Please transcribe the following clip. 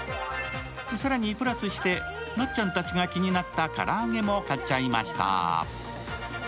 更に、プラスしてなっちゃんたちが気になった唐揚げも買っちゃいました。